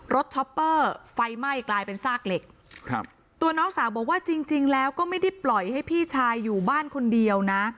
ช็อปเปอร์ไฟไหม้กลายเป็นซากเหล็กครับตัวน้องสาวบอกว่าจริงจริงแล้วก็ไม่ได้ปล่อยให้พี่ชายอยู่บ้านคนเดียวนะ